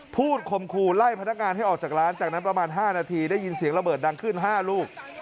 คมครูไล่พนักงานให้ออกจากร้านจากนั้นประมาณ๕นาทีได้ยินเสียงระเบิดดังขึ้น๕ลูก